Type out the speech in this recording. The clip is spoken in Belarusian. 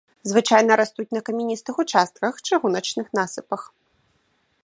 Звычайна растуць на камяністых участках, чыгуначных насыпах.